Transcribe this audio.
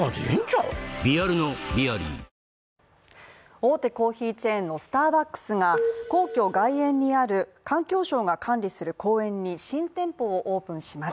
大手コーヒーチェーンのスターバックスが皇居外苑にある環境省が管理する公園に新店舗をオープンします